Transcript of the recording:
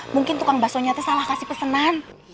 mungkin tukang bakso nyata salah kasih pesenan